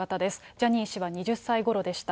ジャニー氏は２０歳ごろでした。